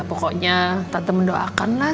pokoknya tante mendoakanlah